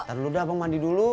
ntar dulu udah bang mandi dulu